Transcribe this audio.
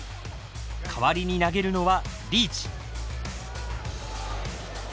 代わりに投げるのは、リーチ。